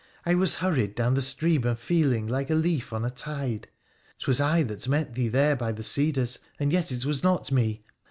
I "was hurried down the stream of feeling like a leaf on a tide, 'Twas I that met thee there by the cedars, and yet it was not me.